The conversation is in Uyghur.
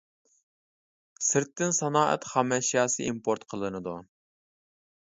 سىرتتىن سانائەت خام ئەشياسى ئىمپورت قىلىنىدۇ.